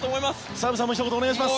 澤部さんもひと言お願いします。